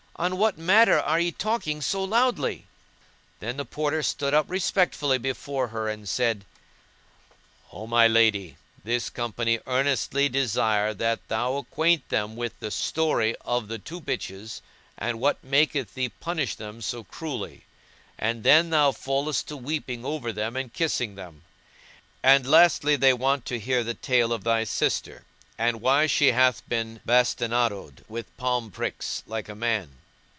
on what matter are ye talking so loudly?" Then the Porter stood up respectfully before her and said, "O my lady, this company earnestly desire that thou acquaint them with the story of the two bitches and what maketh thee punish them so cruelly; and then thou fallest to weeping over them and kissing them; and lastly they want to hear the tale of thy sister and why she hath been bastinado'd with palm sticks like a man.